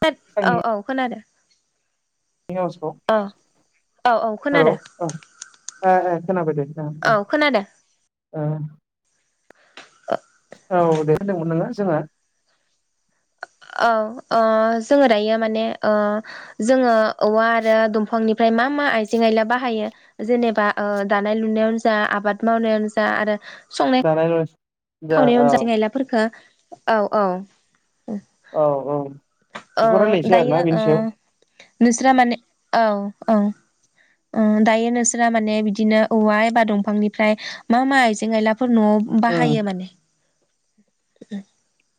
पेत औ आंनि औ खोनादों औ औ औ हेलौ खोनादों [inaudible] खोनाबाय दे। ओ औ खोनादों। ओ औ दहायदोंमोन नोङो जोंहा औ ओ जोङो दायो माने जोङो औवा आरो दंफांनिफ्राय मा मा आइजें आयला बाहायो जेनेबा दानाय लुनायावनो जा आबाद मावनायावानो जा आरो दानाय लुनाय दा खावनायाव औ आयजें आयलाफोरखो औ औ औ औ बेखौ राय्लायनोसै आरोना बेनि सायाव नोस्रा माने औ औ ओ दायो नोंसोरा माने बिदिनो औवा एबा दंफांनिफ्राय मा मा आइजें आइला फोर न'आव उम बाहायो माने। [unintelligible]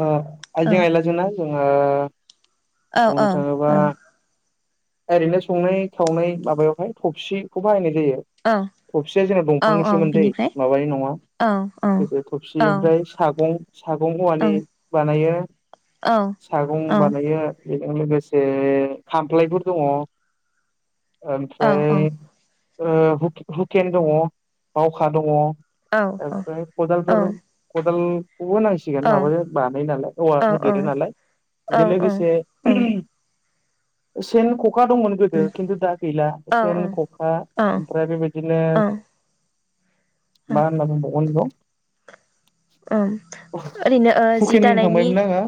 ओ औ आयजें आयला जों ना जोंङो औ बुंनो औ थाङोबा औ ओरैनो संनाय खावनाय माबायावहाय थबसिखौ बाहायनाय जायो। जायो औ थबसिया जोंना औ दंफांनि औ सोमोन्दै बिनिफ्राय माबानि नङा औ औ गोदो थबसि औ ओमफ्राय सागं सागंआ औवानि बानायो सागं बानायो बेजों लोगोसे खामफ्लायफोर दङ। ओमफ्राय ओ हुकेन दङ बावखा दङ। औ ओं उम ओमफ्राय खदालफोर खदाल बेखौबो होनांसिगोन माबाजों बानाय नालाय औवा होदेरो नालाय औ बेजों लोगोसे औ सेन ख'खा ख'खा दंमोन गोदो खिन्थु दा गैला सेन खखा ओमफ्राय बेबायदिनो औ मा होनाबुंदो उम ओरैनो ओ जि हुकेन दानायनि होनखांबायमोन ना आङो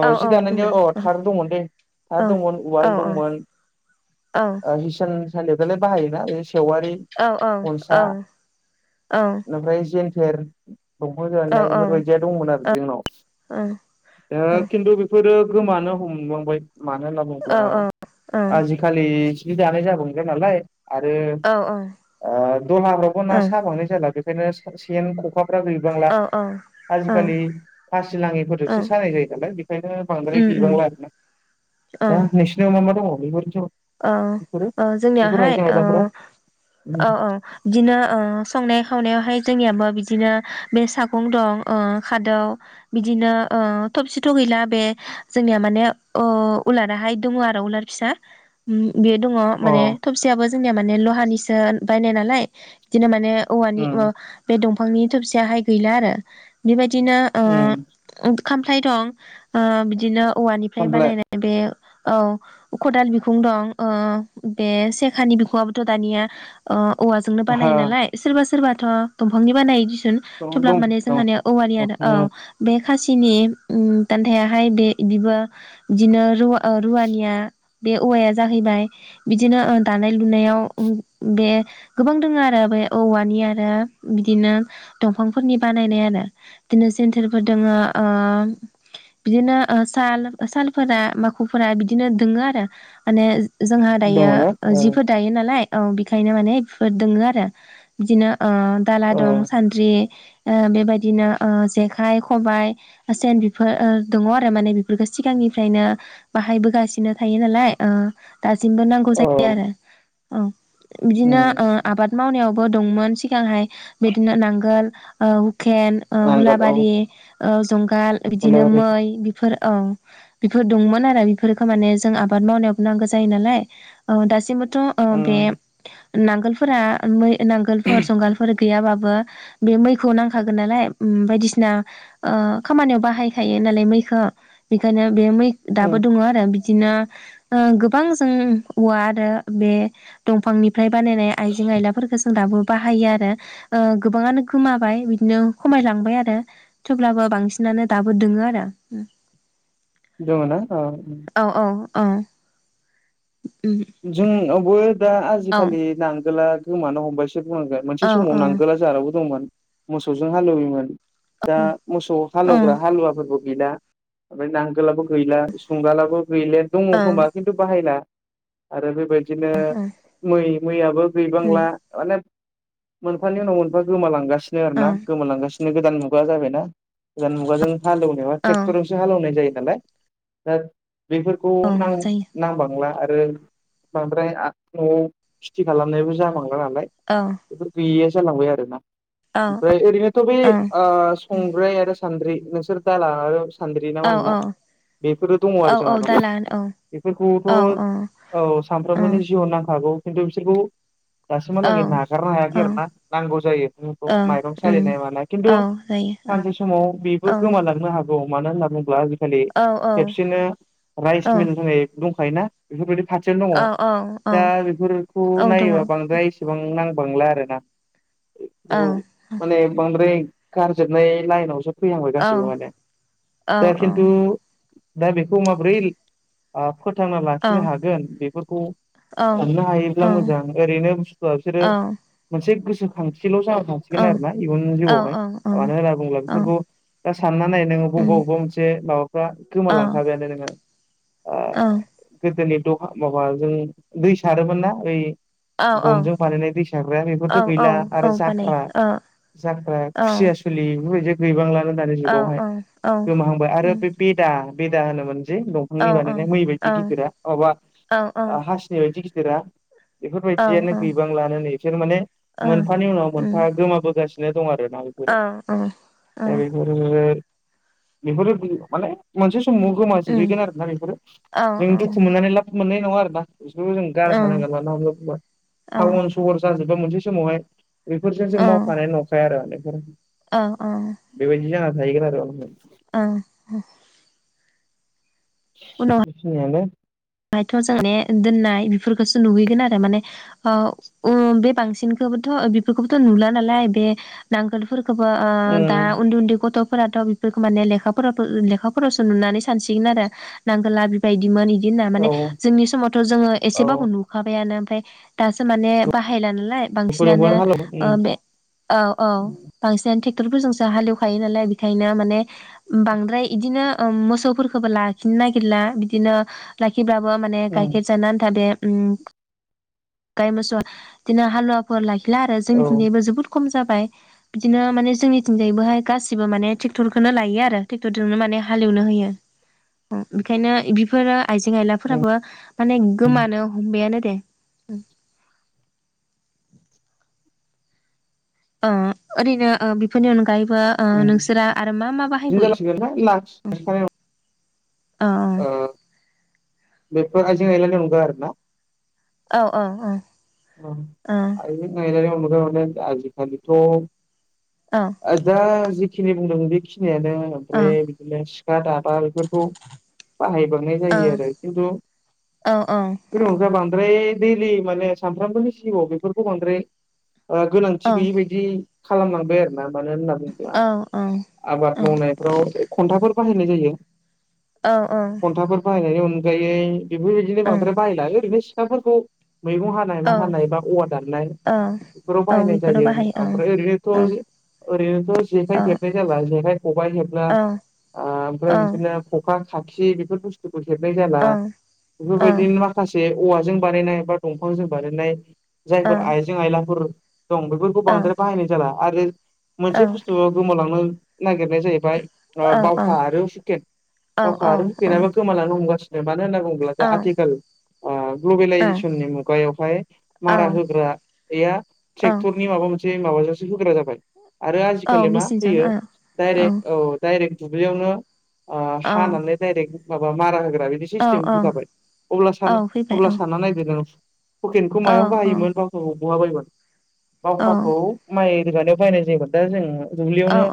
औ जि दानायनियाव औ थार दंमोन दे औ थार दंमोन उवाल औ औ दंमोन औ ओ हिसान सालियाव थांलाय बाहायोना [unintelligible] सेवारि औ औ खनसा ओमफ्राय जेन थेर दंफांजों बानायनाय औ बेफोरबायदिया दंमोन आरो। जोंनाव। दा खिन्थु बेफोरो गोमानो हमलांबाय। मानो होनना बुङोब्ला आजिखालि जि दानाय जाबांलिया नालाय। आरो ओ दहला फोरावबो ना‌साबांनाय जाला। [unintelligible] सेन खखा फोरा गैबांला औ औ आजिखालि खाासि लाङिफोरजोंसो औ सानाय जायो नालाय बेखायनो बांद्राय उम उम गैबांला आरोना औ दा नोंसिनाव मा मा दङ बे औ ओ जोंनियावहाय ओ आयलाफोरा औ ओं बिदिनो ओ संनाय खावनायावहाय जोंनियाबो बिदिनो बे सागं दं ओ खादौ बिदिनो ओ थबसिथ' गैला बे जोंनिया माने अ उलाराहाय दङ आरो उलार फिसा। उम बेयो दङ अ माने थबसेयाबो जोंनिया माने लहानिसो बायनाय नालाय बिदिनो माने औवानि माबा उम अ बे दंफां फांनि थबसियाहाय गैला आरो बेबाय दिनो उम ओ खामफ्लाय दं ओ बिदिनो औवानिफ्राय सानफ्लाय बानायनाय बे औ खदाल बि खुं दं ओ बे सेखानि बिखुआबोथ दानिया अ औवाजोंनो हा बानायो नालाय सोरबा सोरबा थ' दफांनि बानायो किसु [unintelligible] दं थेवब्लाबो दं माने दं जोंहानिया औवानि आरो औ बे खासिनि ओम दान्थायाहाय बे बिबो इदिनो रुवा ओ रुवानिया बे औवाया जाहैबाय बिदिनो ओ दानाय लुनायाव बे गोबां दोङो आरो बे औवानि आरो बिदिनो दंफांफोरनि बानायनाय आरो बिदिनो जेन्थेरफोर दोङो ओ बिदिनो ओ साल सालफोरा माखुफोरा बिदिनो दोङो आरो माने जोंहा दङ दायो ना ओ औ जिफोर दायो नालाय औ बेखायनो माने बेफोर दोङो आरो बिदिनो ओ दाला औ दं सान्द्रि ओ बेबायदिनो ओ जेखाय खबाइ सेन बेफोर ओ दङ आरो माने बेफोरखौ सिगांनिफ्रायनो बाहायबोगासिनो थायो। रो नालाय ओ दासिमबो नांगौ औ जायो आरो। औ। बिदिनो उम ओ आबाद मावनायाव बो दंमोन सिगांहाय बिदिनो नांगोल ओ खेन ओ नांगोल औ हुलाबारि ओ जं गाल बिदिनो मै बिफोर औ बेफोर दंमोन आरो बेफोरफोरखौ माने जों आबाद मावनायाव नांगौ जायो नालाय ओ दासिमबो थ' ओ बे उम नांगोलफोरा मै नांगोलफोर जंगालफोर गैयाबाबो बे मैखौ नांखागोन नालाय उम बायदिसिना ओ खामानियाव बाहायखायो नालाय मैखौ बेनिखायनो बे मै ओं दाबो दङ आरो दिनो ओ गोबां जों औवा आरो बे दंफांनि फ्राय बानायनाय आइजें आयलाफोरखौ जों दाबो बाहायो आरो ओ गोबाङानो गोमाबाय बिदिनो खमायलांबाय आरो थेवब्लाबो बांसिनानो दाबो दोङो आरो। दङना अ। औ औ। अ। जों नावबो दा औ आजिखालि नांगोला गोमानो हबायसै सो बुंनांगोन मोनसे औ समाव नांगोला जोंहानावबो दंमोन। मोसौजों हालौवोमोन। दा मोसौ औ हालौवग्रा हालुवाबो गैला ओमफ्राय नांगोललाबो गैला जंगालाबो गैले दङ खोमबा औ खिन्थु बाहायला। आरो बेबाय दिनो मै मैयाबो उम गैबांला माने मोनफानि उनाव मोनफा गोमालांगासि सिनो आरो ना औ गोमालांगासि बिदिनो गोदान मुगा जाबायना गोदान मुगाजों हालेवनायबा औ ट्रेक्टरजोंसो हालौनाय जायो । दानबाय दा बेफोरखौ औ जायो नां-नांबांला आरो ओं । बांद्राय आ न'आव खिथि खालामनायबो जाबांल नालाय औ इफोर गैयियासो जालांबाय आरो ना औ । ओमफ्राय ओरैनोथ' बे औ ओ संग्राय आरो स सान्द्रि नोंसोर दाला आरो स सानद्रि नामा औ होनोना बेफोरो दङ औ आरो औ जोंहानाव दाला औ औ औ बेफोरखौथ' औ औ सानफ्रोमबोनि जिउआव नांखागौ । खिन्थु बिसोरखौ दासिमहालागै नागारनो हायाखै औ आरो ना नांगौ जायो न'फ्राव माइरं उम सालिनाय मानाय खिन्थु औ जायो सानसे समाव बेबो औ गोमालांनो हाग गौ मानो होनना बुंब्ला खालि औ औ खेबसेनो राइस औ मिल होननाय दंख फायना बेफोरबादि खाथियावनो औ औ दङ दा बेफोरखौ औ दङ औ उम औ नायोबा बांद्राय एसेबां नांद बांला आरो ना । औ माने बांद्राय गारजोबनाय लाइनावजोब फैहांबाय गासिबो माने दा खिन्थु दा बेखौ माबोरैलि ओ फोथांना लाखिनो हाग बेफोरखौ साननो हायोब्ला मोजां ओरैनो बुस्थुआ बिसोरो मोनसे गोस सो खांथि थिल' जा थांसिगोन आरो ना इयुन जिउआवहाय ओ मानो होनोब्ला बेफोरखौ साननाय नोङो बबा बबा मोनसे माबाफ्रा गोमालांखाबायानो नोङो। ओ गोदोनि। हा माबाजों दै सारोमोन ना ओइ। गनजों फारहैनाय दै सारग्राया बेफोरथ' औ गैला आरो औ जाख्रा बानायो औ जांख्रा औ खुसिया सुलि बेफोरबायदि गैबांला बो दानि औ जुगावहाय गोमाहांबाय आरो उम बे बेदा बेदा होनोमोन जे औ दंफांनि बानायनाय मै बायदि गिदिरा अबा औ औ। बैदि गिदिरा। [unintelligible] माने मोनफानि उनाव मोनफा गोमाबोगासिनो दं आरो [inaudible] बेफोरो माने मोनसे गोमाजोबहैगोन आरो ना बेफोर जों दुखु उनावहाय मोननानै लाब मोननाय नङा आरोना बिसोरबो जों गारखानांगोन मानो होनना बुंबा टावन सहर जाजोब बा मोनसे समावहाय बेफोरजों जों मावफानाय नंखाया आरो माने औ औ औ गोन आरो उनाव औ [inaudible] बहायथ' जोंने दोननाय बेफोरखौसो नुहैगोन आरो माने बे बांसिनखौबोथ' बेफोरखौबोथ' नुला नालाय बे नांगोलफोरखौ। बो दा उम उन्दै उन्दै गथ ' बेफोरखौ माने लेखाफोर लेखाफोरावसो नुनानै सानसिगोन आरो नांगोला बिबायदिमोन बिदि होना माने औ जोंनि समावथ' जोङो एसेबाबो औ नुखाबायानो ओमफ्राय दासो माने बाहायला नाय बांसिनानो फुदुंमोन हालौ ओ उम बे औ औ बांसिनानो टेक्टरफोरजोंसो हालेवखायो नालाय बेखायनो माने बांद्राय बिदिनो मोसौफोरखौबो लाखिनो नागिरला बिदिनो बिबदिब्लाबो माने उम गाइखेर जानो आन्थाद उ गाय मोसौ बिदिनो हालुवाफोर लाखि आरो औ जोंनिथिंजायबो जोबोद खम जाबाय बिदिनो माने जोंनिथिंजायबोहाय गासिबो माने ट्रेक्टरखौनो लायो आरो ट्रेक्टरजोंनो माने हालेवनो होयो बेखायनो बेफोरो आइजें उम आयलाफोराबो माने गोमानो हमबायानो दे ओ ओरैनो बेफोरनि अनगायैबो ओ उम नोंसोरा आरो मा मा बिदिनो जालांसिगोन ना बाहायबावयो? लाखि खानाय औ ओ बेफोर आइजें आइलानि अनगा आरोना औ औ औ औ [unintelligible] आजाखालिथ' औ [unintelligible] बेखिनि बुंदों बि औ [unintelligible] दाबा बेफोरखौ बाहायबावनाय जायो आरो खिन्थु औ बि हरज बांद्राय दैलि माने सानफ्रामबोनि जिउआव बेफोरखौ बांद्राय ओ गोनांथि गैयै बायदि- खालामलांबाय आरो ना मानो होनना बुङोब्ला आबाद मावनायफ्राव खन्थाफोर बाहायनाय जायो। खन्थाफोर बायनायनि उनाव गोयै बेफोरबायदिनो औ बांद्राय बाहायला ओरैनो [unintelligible] फोरखौ मैगं हानाय मा औ औ हानाय बा औवा दाननाय औ बेफोराव औ बाहायनाय बेफोराव जायो बाहायो ओमफ्राय ओरैनोथ औ ओरैनोथ जेखाइ औ खेबनाय जाला जेखाय खबाइ हेबला औ ओमफ्राय औ बिदिनो खखा खाखि बेफोर बुस्थुखौ हेब जाला औ औ बेफोरबायदिनो माखासे औवाजों बानायनाय बा दंफांजों बानायनाय औ जायफोर आइजें आइलाफोर- दं बेफोरखौ औ बांद्राय बाहायनाय जाला, आरो मोनसे औ बुस्थु गोमालांनो, नागिरनाया जाहैबाय, ओ औ बावखा आरो हुकेन बावखा आरो हुकेनाबो गोमालानो हमगा मानो होनना बुङोब्ला दा आथिखाल ग्लबेलइजेसननि मुगायावहाय औ मारा होग्राया औ ट्रेक्टरनि माबा मोनसे माबाजोंसो होग्रा जाबाय, आरो औ आजिखालि मा मेचिनजों हैयो औ डाइरेक्ट औ डाइरेक्ट दुब्लियावनो ओ औ हानानै दायरेक माबा मारा होन फोरा बिदि औ सिस्टेम औ गुगाबाय, अब्ला औ सानना फैबाय अब्ला औ सानना नायदो नों हुखेनखौ औ मायाव औ बाहायोमोन बावखाखौ हुवा बायोमोन। औ बावखाखौ माइ रोगानायाव बाहायनाय जायोमोन दा जों औ दुब्लियावनो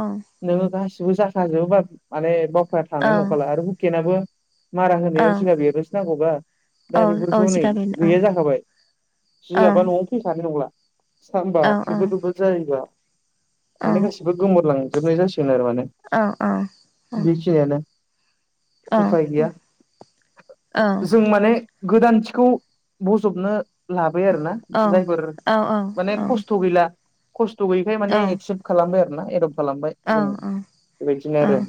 नोङो गासि बो जाखागोबा माने बाव [unintelligible] थानाय नंखाला आरो हुखेनाबो मारा होनायाव जिगाब एरो नांगौबा औ दा औ बेफोरखौ नै जिगाब बेनो गैया जाखाबाय औ औ सिगाबा न'आव फैखानाय नंला। सानबा औ औ बेबो बेबो जायोबा औ माने गासिबो गोमोरलां जोबनाय जा सिगोन आरो औ बिखिनियानो। औ जों माने गोदानथिखौ बजबनो लाबाय आरोना जायफोर माने खस्थ' गैला। खस थ' गैयिखाय माने एक्सेप खालामबाय आरो ना एदब औ ओं ओं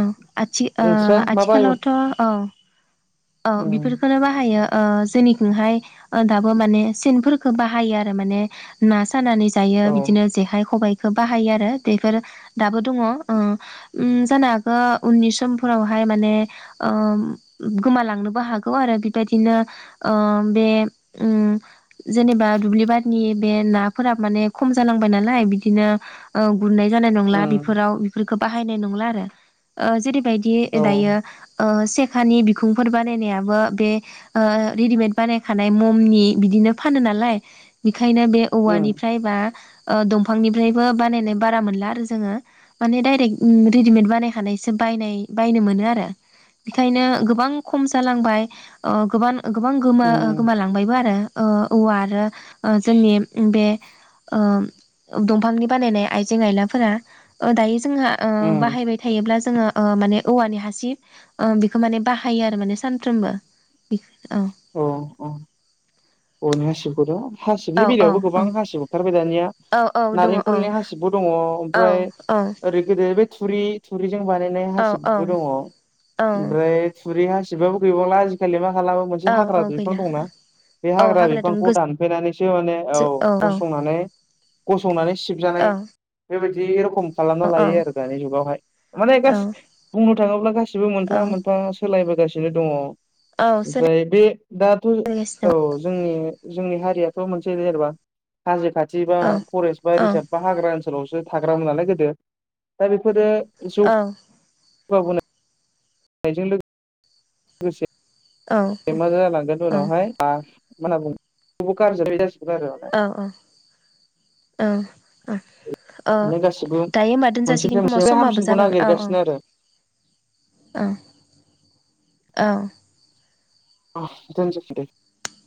ओं आथि ओ नोंस्रा आ माबा थिखालावथ' औ औ उम बेफोरखौनो बाहायो ओ जोंनिखोहाय ओ दाबो माने सेनफोरखो बाहायो आरो माने ना सानानै जायो औ बिदिनो जेखाइ खबाय खो बाहायो आरो बेफोर दाबो दङ ओ उम जानो हागो उननि समफोरावहाय माने ओम गोमालांनोबो हागौ आरो बिबायदिनो ओ बे उम जेनेबा दुब्लि बारिनि बे नाफोरा माने खम जालांबाय नालाय बिदिनो ओ गुरनाय जानाय नंला उम बेफोराव बेफोर खौ बाहायनाय नंला आरो ओ जेरै बायदि औ दायो ओ से खानि बि खुंफोर बानायनायाबो बे ओ रेडिमेद बानायखानाय ममनि बिदिनो फानो नालाय बे खायनो बे उम औवानिफ्राय बा ओ दंफांनिफ्रायबो बानायनाय बारा मोनला आरो जोङो माने डाइरेक्ट ओ रेडिमेड बानायखानायसो बायनाय बायनो मोनो आरो बेखायनो गो बां खम जालांबाय अ गोबां गोबां गोमा उम गोमालांबायबो आरो ओ औवा आरो ओ जोंनि बे ओ दंफांनि बानायनाय आइजें आयलाफोरा ओ दायो जोंहा ओ उम बाहायबाय थायोब्ला जोङो ओ माने औवानि हासिब ओ बेखौ माने बाह हायो आरो माने सानफ्रोमबो बे औ अ अ अनिया सिगुराव हासिबनि औ औ बेलायावबो गोबां औ हासिब ओंखारबाय दानिया औ औ दङ औ नारेंखलनि हासिबबो दङ औ ओमफ्राय औ ओरै गोदो बै थुरि थुरिजों बानायनाय हासिबबो दङ औ औ ओमफ्राय थुरि हासि सिबाबो गैबावला आजिलि मा खाला बे औ हाग्रा औ बिफां गैला दंना बे औ हाग्रा दों बिफांखौ दानफायनानैसो माने औ गोजौ औ गसंनानै गसंनानै सिबजानाय औ बेबायदि रखम खालामना लायो आरो दानि जुगावहाय माने औ गास बुंनो थाङोब्ला गासि सिबो औ मोनफा मोनफा सोलायबोगासि सिनो दङ। औ सो ओमफ्राय बे दाथ' औ जोंनि जोंनि हारियाथ' मोनसे जेनेबा हाजो खा थि बा औ फरेस्ट औ बा हाग्रा ओनसोल। ओनसोलावसो थाग्रामोन नालाय गोदो दा बेफोरो। औ। बावबोनायजों [inaudible] लोगोसे। गोसे औ ए मा जालांगोन औ उनावहाय? मा होनना बुंगोन? बयबो गारजोबाय औ औ। औ। औ अ माने गासिबो दायो मा दोनजासिगोन मोनसेनिफ्राय खोमा मोनसे समाबो हामसिनखौ जाबायमोन औ नागिरगासिनो आरो औ। औ। दनोसै दे।